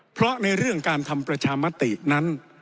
เพราะในเรื่องการทำประชามตินั้น